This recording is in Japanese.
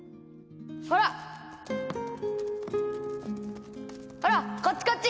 ほらほらこっちこっち！